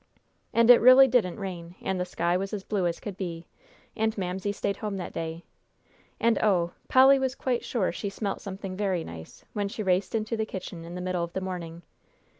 And it really didn't rain, and the sky was as blue as could be, and Mamsie stayed home that day, and oh! Polly was quite sure she smelt something very nice, when she raced into the kitchen in the middle of the morning.